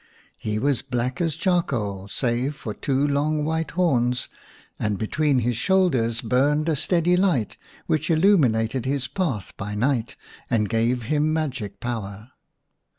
He was black as charcoal, save for two long white horns, and between his shoulders burned a steady light, which illumined his path by night and gave him magic power.